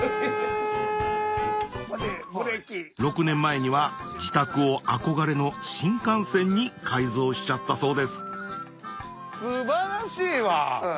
６年前には自宅を憧れの新幹線に改造しちゃったそうです素晴らしいわ！